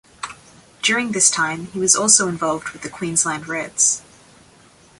During this time he was also involved with the Queensland Reds.